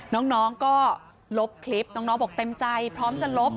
น้องก็ลบคลิปน้องบอกเต็มใจพร้อมจะลบ